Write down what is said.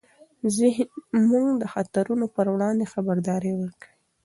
ذهن موږ د خطرونو پر وړاندې خبرداری ورکوي.